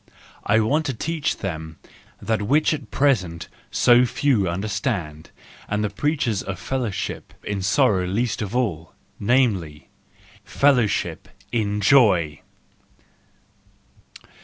I want to teach them that which at present so few understand, and the preachers of fellowship in sorrow least of all:_ namel y, fellowship in joy